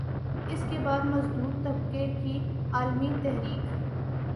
اسکے بعد مزدور طبقے کی عالمی تحریک